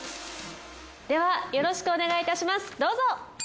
ではよろしくお願いいたしますどうぞ！